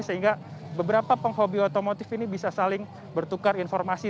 sehingga beberapa penghobi otomotif ini bisa saling bertukar informasi